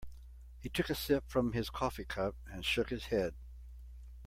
He took a sip from his coffee cup and shook his head.